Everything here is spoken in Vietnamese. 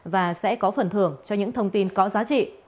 và sẽ có phần thưởng cho những thông tin có giá trị